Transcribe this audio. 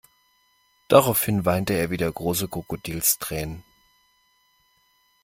Daraufhin weinte er wieder große Krokodilstränen.